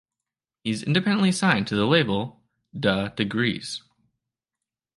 He is independently signed to the label Da Degrees.